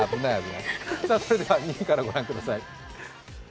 それでは２位からご覧ください。